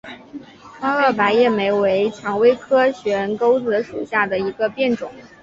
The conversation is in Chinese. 宽萼白叶莓为蔷薇科悬钩子属下的一个变种。